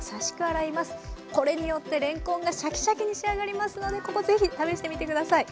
これによってれんこんがシャキシャキに仕上がりますのでここ是非試してみて下さい。